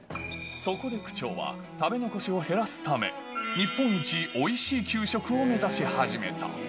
そこで区長は、食べ残しを減らすため、日本一おいしい給食を目指し始めた。